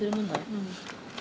うん。